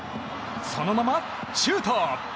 そのままシュート！